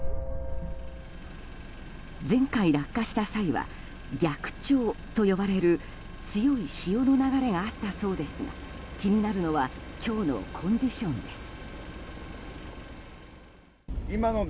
前回落下した際は逆潮と呼ばれる強い潮の流れがあったそうですが気になるのは今日のコンディションです。